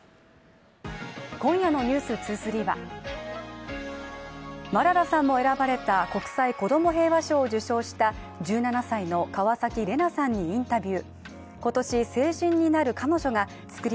今夜の「ｎｅｗｓ２３」はマララさんも選ばれた国際子ども平和賞を受賞した１７歳の川崎レナさんにインタビュー